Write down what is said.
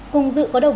cùng dự có đồng ý